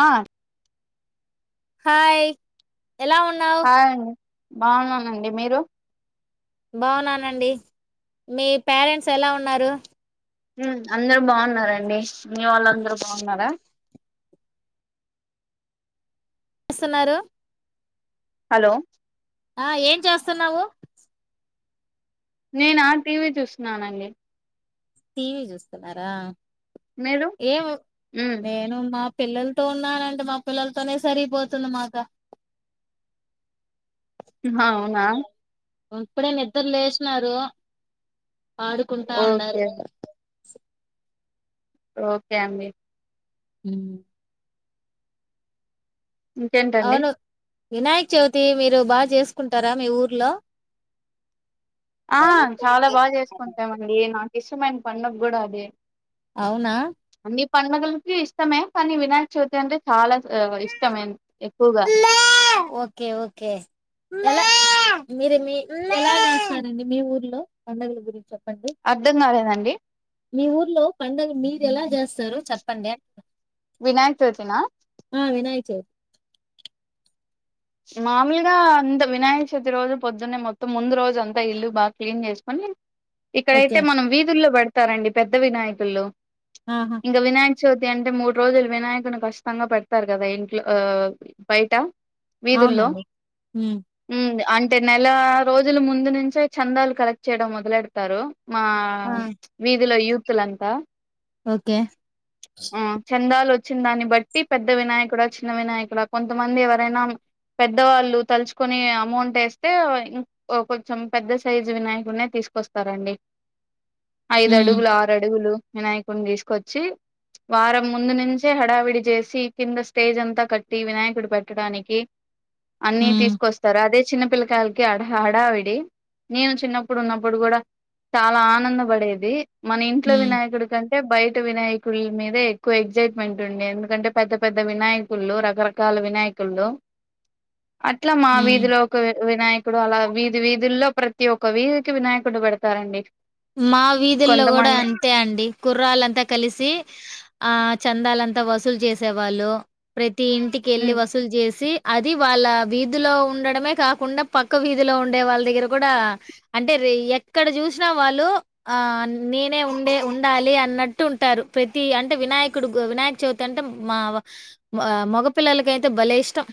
ఆ హాయ్ ఎలా ఉన్నావ్ బావున్నానండి మీరు బావున్నానండి మీ పేరెంట్స్ ఎలా ఉన్నారు హ్మ్అందరు బావున్నారండి మీ వాళ్లు అందరు బావున్నారా వస్తున్నారు హలో ఆ ఏం చేస్తున్నావు నేనా టీవీ చూస్తున్నానండి టీవీ చూస్తున్నారా మీరు ఏం ఉమ్ నేను మా పిల్లలతో ఉన్నానండి మా పిల్లలతోనే సరిపోతుంది మాక అవునా ఇప్పుడే నిద్ర లేసినారు ఆడుకుంటా ఉండారు ఓకే ఓకే అండీ మ్ ఇంకేంటండి అవును వినాయక చవితి మీరు బాగా చేసుకుంటారా మీ ఊర్లో ఆ చాలా బాగా చేసుకుంటామండి నాకు ఇష్టమైన పండుగ కూడా అదే అవునా నీ పండుగలకి ఇష్టమే కానీ వినాయక చవితి అంటే చాలా ఇష్టమే ఎక్కువగా ఓకే ఓకే ఎలా మీరు మీ ఎలా చేస్తారండి మీ ఊర్లో పండుగల గురించి చే అర్ధం కాలేదండి మీ ఊర్లో పండుగ మీరు ఎలా చేస్తారు చెప్పండి అంటున్న వినాయక చవితి నా చె మామూలుగా అంత వినాయక చవితి రోజు పొద్దున్నే మొత్తం ముందు రోజు అంతా ఇల్లు బాగా క్లీన్ చేసుకొని ఓకే ఇక్కడైతే మనం వీధుల్లో పెడతారండి పెద్ద వినాయకులు ఆహా ఇంకా వినాయ చవితి అంటే మూడు రోజులు వినాయకుని కచ్చితంగా పెడతారు కదా ఇంట్లో బయట వీధుల్లో అవునండి ఉమ్ అంట అంటే నెల రోజుల ముందు నుంచే చందాలు కలెక్ట్ చేయడం మొదలెడతారు మా ఆ వీధిలో యూతులంతా ఓకే చెందాలు వచ్చిన దాన్ని బట్టి పెద్ద వినాయకుడా చిన్న వినాయకుడా కొంతమంది ఎవరైనా పెద్దవాళ్ళు తలుచుకొని అమౌంట్ వేస్తే ఇం కొంచెం పెద్ద సైజు వినాయకుని తీసుకొస్తారండి ఐదు ఉమ్ అడుగులు ఆరు అడుగులు వినాయకుడిని తీసుకొచ్చి వారం ముందు నుంచే హడావిడి చేసి కింద స్టేజ్ అంతా కట్టి వినాయకుడు పెట్టడానికి అన్ని ఉమ్ తీసుకొస్తారు అదే చిన్న పిల్లకాయలకి ఆడా హడావిడి నేను చిన్నప్పుడు ఉన్నప్పుడు కూడా చాలా ఆనంద పడేది మన ఇంట్లో ఉమ్ వినాయకుడి కంటే అ బయట వినాయకుల మీద ఎక్కువ ఎగ్జైట్మెంట్ ఉండంది ఎందుకంటే పెద్ద పెద్ద వినాయకులు రకరకాల వినాయకులు అట్లా మా ఉమ్ వీధిలో ఒక వినాయక ఇప్పుడు అలా వీధి వీధుల్లో ప్రతి ఒక్క వీధికి వినాయకుడు పెడతారండి మా వీధుల్లో కూడా కొంతమంది అంతే అండి కుర్రాలుంతా కలిసి ఆ చందాలంతా వసూలు చేసేవాళ్ళు ప్రతి ఇంటికి వెళ్ళ హ్మ్. వసూలు చేసి అది వాళ్ళ వీధిలో ఉండడమే కాకుండా పక్క వీధిలో ఉండే వాళ్ళ దగ్గర కూడా అంటే ఎక్కడ చూసినా వాళ్ళు ఆ నేనే ఉండే ఉండాలి అన్నట్టు ఉంటారు ప్రతి అంటే వినాయకుడు వినాయక చవితి అంటే మా మగపిల్లలకయితే భలే ఇష్టం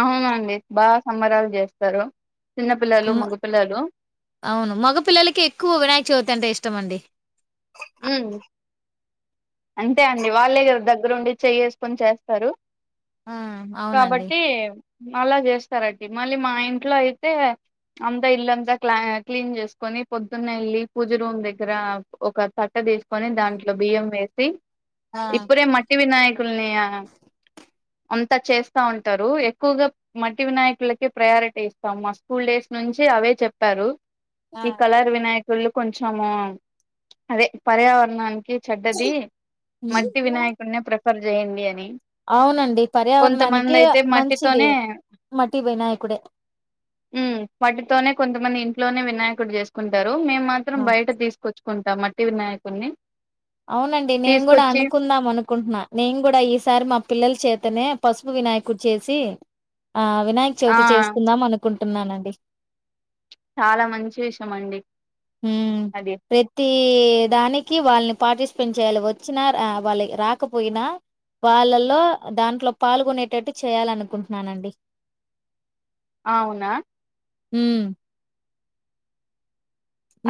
అవునండి బాగా సంబరాలు చేస్తారు చిన్నపిల్లలు మగపిల్లలు అవును మగ పిల్లలకి ఎక్కువ వినాయక చవితి అంటే ఇష్టం అండి అంతే అండి వాళ్ళే కద దగ్గరుండి చెయ్యేసుకొని చేస్తారు ఆ! అవునండి. కాబట్టి అలా చేస్తారండి మళ్ళీ మా ఇంట్లో అయితే అంతా ఇల్లంతా క్లా క్లీన్ చేసుకొని పొద్దున్నాయిల్లి పూజ రూమ్ దగ్గర ఒక తట్ట తీసుకొని దాంట్లో బియ్యం వేసి ఆ! ఇప్పుడే మట్టి వినాయక కుల్నీ అంతా చేస్తా ఉంటారు ఎక్కువగా మట్టి వినాయకులకి ప్రయారిటీ ఇస్తాము మా స్కూల్ డేస్ నుంచి అవే చెప్పారు ఆ! ఈ కళర్ వినాయకులుు కొంచము అదే పర్యావరణానికి క చెడ్డది హ్మ్. మట్టి వినాయకుడి ప్రిఫర్ చేయండి అని అవునండి కొంతమంది పర్యావరణానికి అయితే మంచిది మట్టితోనే మటి వినాయకుడే మ్మ్ మటీతోనే కొంచ మనా ఇంట్లోనే వినాయకుడు చేసుకుంటారు మేము మాత్రం ఆ బయట తీసుకొచ్చుకుంటాం మట్టి వినాయకుడిని అవునండి నేను కూడా తీసుకొచ్చి అనుకుందాం అనుకుంటున్నా నేను కూడా ఈసారి మా పిల్లలు చేత అతనే పసుపు వినాయకుడు చేసి ఆ వినాయక్ ఆ చవితి చేసుకుందాం అనుకుంటు టున్నాను అండి చాలా మంచి విషయం అండి హ్మ్ అది ప్రతి ఈ దానికి వాళ్ళని పార్టిసిపేంట్ చేయాలి వచ్చినా వాళ్ళ రాకపోయినా వాళ్ళలో దాంట్లో పాల్గొనేటట్టు చేయాలనుకుంటున్నానండి అవునా మ్మ్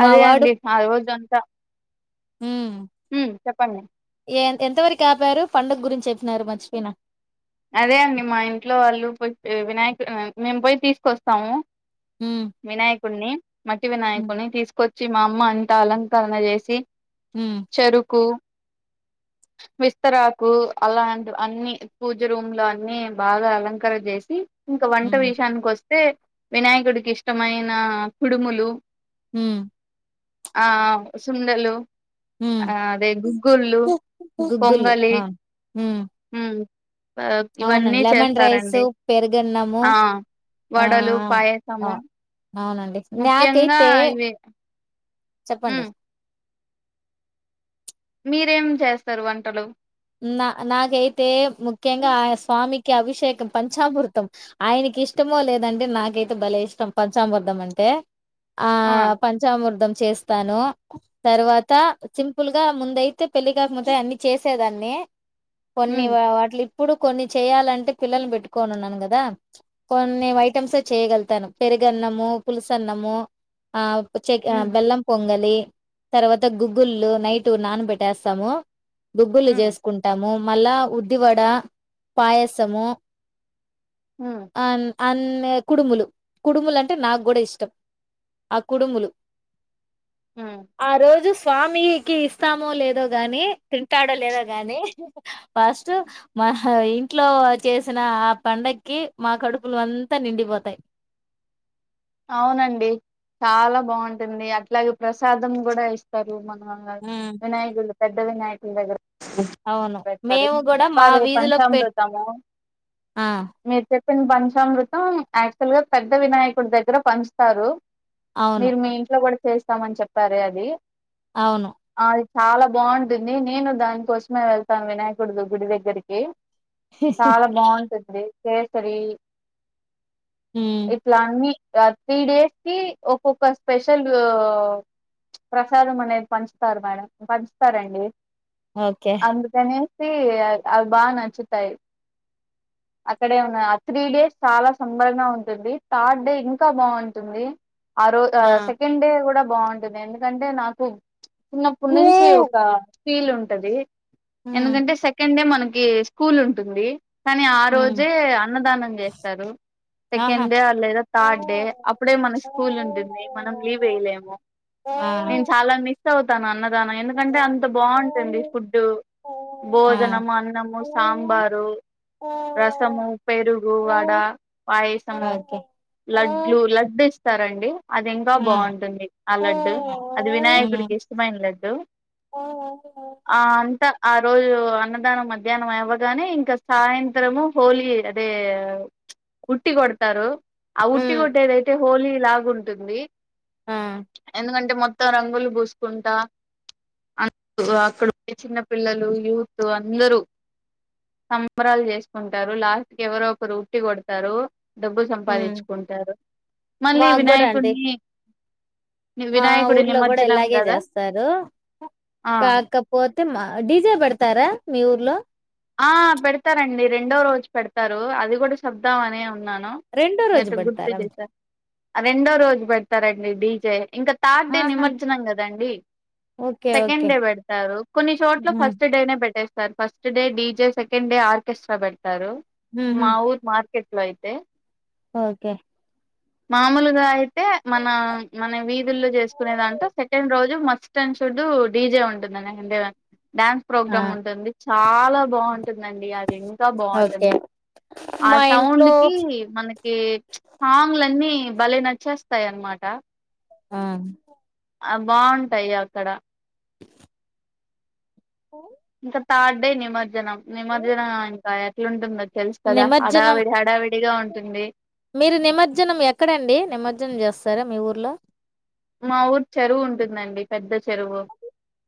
అదే వాడు అండి ఆ రోజంతా మ్మ్ ఎంతవరకు ఆపారు పండుగ గురించి చెప్పినారు మర్చిపోయిన అదే అండి మా ఇంట్లో వాళ్ళు పో వినాయక మేము పోయి తీసుకొస్తాము హ్మ్ వినాయకుడిని మట్టి హ్మ్ వినాయకుడిని తీసుకొచ్చి చి మా అమ్మ అంతా అలంకరణ చేసి హ్మ్ చెరుకు విస్తరాకు అలాంటి అన్ని పూజ రూమ్ లో అన్ని బాగా అలంకర చేసి ఇంకా వంట హ్మ్ విషయానికి వస స్తే వినాయకుడికి ఇష్టమైన కుడుములు హ్మ్ ఆ సుందలు హ్మ్ ఆ అదే గుగ్గుళ్ళు గుగ్గులు పొంగలి ఆ హ్మ్ ఇవన్నీ అవునండి లెమన్ రైస్ చేస్తారండి పెరుగన్నము ఆ ఆ వడలు ఆ పాయసము అవునండి ముఖ్యంగా నాకైతే ఇవి చెప్పండి ఉమ్ మీరేం చేస్తారు వంటలు నా నాకైతే ముఖ్యంగా ఆన స్వామికి అభిషేకం పంచామృతం ఆయనకి నాకు ఇష్టమో లేదండి నాకైతే భలే ఇష్టం పంచామృధం అంటే ఆ పంచామృతం చేస్తాను తర్వాత సింపుల్ గా ముందయితే పెళ్లి కాక అన్ని చేసేదండి కొన్ని ఉమ్ వాటిలు ఇప్పుడు కొన్ని చేయాలంటే పిల్లని పెట్టుకోనిన్నాను కదా కొన్ని ఐటమ్స్ ఎ చేయగలుగుతాను పెరి గన్నమో పలుసన్నమ ఆ చ్చ ఉమ్ బెల్లం పొంగలి తర్వాత గుగ్గుళ్లుు నైట్ నానబెట్టేస్తాము బుబ్బలు ఉమ్ చేస్త మళ్ళా ఉద్దివడ పాయసము హ్మ్ అం కుడుములు కుడుములు అంటే నాకు కూడా ఇష్టం ఆ కుడుములు ఉమ్ ఆ రోజు స్వామికి ఇస్తామో లేదో గాని తింటాడ లేద కానీ ఫస్ట్ మా ఇంట్లో చేసిన ఆ పండగాకి మాకు కడుపులు అంతా నిండిపోతాయి అవునండి చాలా బాగుంటుంది అట్లాగే ప్రసాదం కూడా ఇస్తారు మన ఉమ్ వినయకులు పెద్ద వినయకులు దగర అవును మేము కూడా మా వీధిలో పెట్ పంచామృతము ఆ ప్పన్ పంచామృతం యాక్చువల్ గా పెద్ద వినాయకుడి దగ్గర పంచుతారు అవును. మీరు మీ ఇంట్లో కూడా చేస్తామని చెప్పారే అది అవును అది చాలా బాగుంటుంది నేను దానికోసమే వెళ్తాను వినాయకుడి గుడి దగ్గరకి చాలా బాగుంటుంది కేసరి హ్మ్. ఇట్లా అన్ని త్రీ డేస్ కి ఒక్కొక్క స్పెషలు ప్రసాదం అనేది పంచుతారు మేడం పంచుతారండి ఓకే. అందుకని సి అవి బా నచ్చుతాయి అక్కడే ఉన్నా ఆ త్రీ డేస్ చాలా సంబరంగా ఉంటుంది థర్డ్ డే ఇం ఇంకా బాగుంటుంది ఆ రో సెకండ్ డే కూడా బాగుంటుంది ఎందుకంటే నాకు చిన్నప్పుడు నుంచి హ్మ్. ఒక ఫీల్ ఉంటది ఎందుకంటే సెకండ్ డే మన కి స్కూల్ ఉంటుంది కానీ ఆ హ్మ్. రోజే అన్నదానం చేస్తారు సెకండ్ ఆహా! డే లేదా ఆ! థర్డ్ డే అప్పుడే మన స్కూల్ ఉంటుంది మనం లీవ్ వేయలేము నేను చాలా మిస్ మిస్ అవుతాను అన్నదానం ఎందుకంటే అంత బాగుంటుంది ఫుడు ఆ! భోజనము అన్నము సాంబారు రసము పెరుగు వడ పాయసము ఓకే. హ్మ్. లడ్లు లడ్డు ఇస్తారండి అది ఇంకా బాగుంటుంది ఆ లడ్డు అది వినాయకుడికి హ్మ్. ఇష్టమైన లడ్డు ఆ అంత ఆ రోజు అన్నదానం మధ్యాహ్నం అవ్వగానే ఇంకా సాయంత్రము హోలీ అదే ఉట్టి కొడతారు ఆ ఉట్టి హ్మ్. కొట్టేదైతే హోలీ లాగా ఉంటుంది ఆ ఎందుకంటే మొత్తం రంగులు పూసుకుంటా అ అక్కడ చిన్న పిల్లలు యూత్ అందరూ సంబరాలు చేసుకుంటారు లాస్ట్ కి ఎవరో ఒకరు ఉట్టి కొడతారు డబ్బు హ్మ్. సంపాదించుకుంటారు మళ్ళీ మాకు గూడా అండి. వినాయకుడిని మా వినాయకుడి ఊర్లో కూడా నిమజ్జనం ఇలాగే కదా చేస్తారు ఆ కాకపో తి మా డీజే పెడతారా మీ ఊర్లో ఆ పెడతారండి రెండో రోజు పెడతారు అది కూడా శబ్దమాని ఉన్నా ను రెండో రోజు ఎట్టో గుర్తు పెడతారా చేశారు రెండో రోజు పెడతారండి డీజే ఇంకా థార్డ్ డే ఆహా నిమర్జనం కదండీ ఓకే సెకండ్ ఓకే డే పెడతారు కొన్ని చోట్ల హుహు. ఫస్ట్ డేనే పెట్టేస్ sir first day DJ second day orchestra పెడతారు హుహు. మా ఊర్ మార్కె అట్ల అయితే ఓకే మామూలుగా అయితే మన మన వీధుల్లో చేసుకునే దాంటో సెకండ్ రోజు మస్త్ మస్ట్ అండ్ షుడ్ డీజే ఉంటుంది [unintelligible] డాన్స్ ఆ ప్రోగ్రామ్ ఉంటుంది చాలా బాగుం టుందండి అది ఇంకా ఓకే బాగుంటుంది ఆ మా సౌండ్ ఇంట్లో కి మన కి హంగ్లన్నీ భలే నచ్చేస్తాయి అనమాట ఆ ఆ బాగుంటాయి అక్కడ అ ఇంకా థార్డ్ నిమర్జనం నిమర్జనం ఇంకా ఎట్లా ఉంటుంది తెలుసు కదా నిమజ్జనం హడావిడి హడావిడిగా ఉంటుంది మీరు నిమర్జనం ఎక్కడండి నిమర్జనం చేస్తారా మీ ఊర్లో మా ఊరి చెరువు ఉంటుందండి పెద్ద చెరువు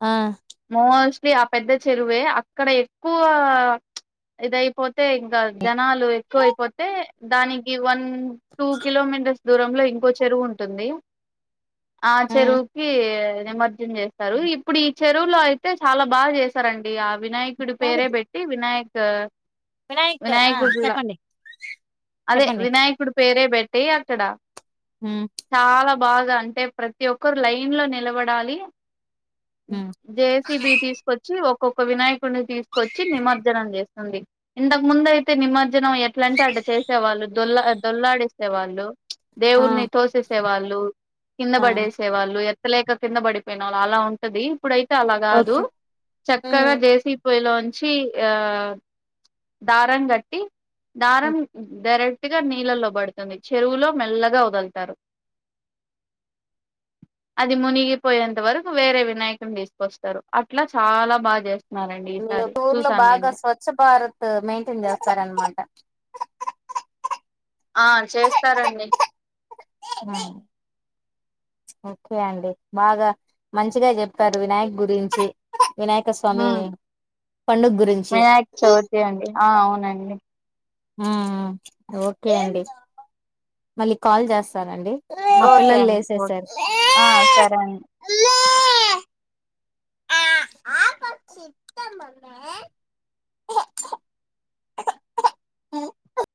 ఆ మోస్ [unintelligible] ఆ పెద్ద చెరువే అక్కడ ఎక్కువ ఇదయిపోతే ఇంకా జనాలు ఎక్కువ అయిపోతే దానికి వన్ టూ కిలోమీటర్స్ దూరంలో ఇంకో చెరువు ఉంటుంది ఆ చెరువుకి నిమర్జనం చేస్తారు ఇప్పుడు ఇ చెరువులో అయితే చాలా బాగా చేశారండి ఆ వినాయకుడి పేరే తాగొద్దు పెట్టి వినాయక్ వినాయక్ ఆ వినాయకుడుల్లా చెప్పండి అదే చెప్పండి వినయకుడి పేరే పె ట్టి అక్కడ హ్మ్. చాలా బాగా అంటే ప్రతి ఒక్కరు లైన్ లో నిలబడాలి హ్మ్. జేసీబి తీసుకొచ్చి ఒక్ ఒకొక్క వినాయకుడిని తీసుకొచ్చి నిమజ్జనం చేస్తుంది, ఇంతకు ముందు అయితే నిమజ్జనం ఎట్లంటే అట్లా జ చేసేవాళ్ళు దొల్లా దొల్లాడిస్తే వాళ్ళు ఆ దేవుడిని తోసేసేవాళ్ళు కింద ఆ పడేసే వాళ్ళు ఎత్ ఎత్తలేక కింద పడిపోయిన వాళ్ళు అలా ఉంటది. ఇప్పుడైతే అలా కాదు ఓకే చక్కగా హ్మ్. జేసిపి పోయిలో నుంచ్ చి ఆ దారం కట్టి దారం డైరెక్ట్ ట్గా నీళ్ళల్లోబడుతుంది చెరువులో మెల్లగా వదలుతారు. [inaudible] అది మునిగిపోయేంత వరకు వేరే వినాయకున్ని తీసుకొస్తారు అట్లా చాలా బాగా చేస్త్ మీలో టూర్ లో బాగా స్వచ్ఛ భారత్ మెయింటైన్ చేస్తారనమాట. ఆ చేస్తారండి ఓకే అండి బాగా మంచిగా చెప్పారు వినాయక్ గురించి. వినాయక స్వామి ఉమ్, పండుగ గురించి వినాయక చవితి అండి ఆ అవునండి ఉమ్ ఓకే అండి మళ్ళీ కాల్ చేస్తారండి ఓకే అండి ఓకే ఆ సరే అన్ [inaudible] [inaudible]